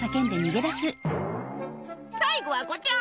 最後はこちら。